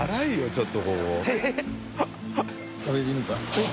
ちょっとここ。